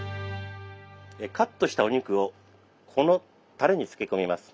カットしたお肉をこのたれに漬け込みます。